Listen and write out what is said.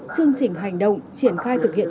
chương trình hành động triển khai thực hiện